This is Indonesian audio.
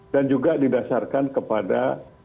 dan juga didasarkan kepada